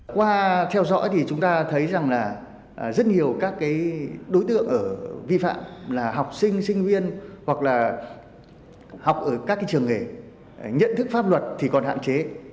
qua theo dõi thì chúng ta thấy rằng là rất nhiều các đối tượng ở vi phạm là học sinh sinh viên hoặc là học ở các trường nghề nhận thức pháp luật thì còn hạn chế